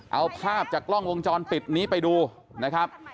เอาภาพจากกล้องวงจรปิดนี้ไปดูนะครับ